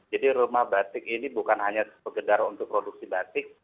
jadi rumah batik ini bukan hanya sepedara untuk produksi batik